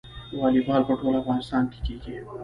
والیبال په ټول افغانستان کې کیږي.